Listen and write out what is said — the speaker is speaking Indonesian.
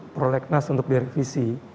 prolegnas untuk direvisi